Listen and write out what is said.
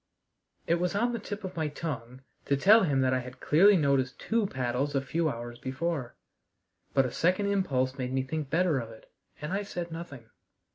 It was on the tip of my tongue to tell him that I had clearly noticed two paddles a few hours before, but a second impulse made me think better of it, and I said nothing.